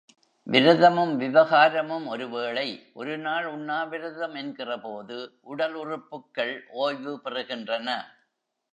விரதமும் விவகாரமும் ஒரு வேளை, ஒரு நாள் உண்ணாவிரதம் என்கிற போது, உடல் உறுப்புக்கள் ஓய்வு பெறுகின்றன.